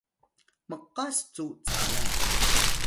mqas cu calay